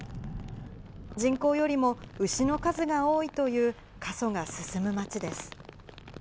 人口よりも牛の数が多いという過疎が進む町です。